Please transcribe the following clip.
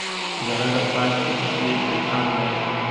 زړه د پاک ارادې الهام دی.